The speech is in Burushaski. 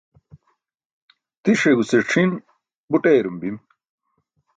tiṣ e guse c̣ʰin buṭ eyraum bim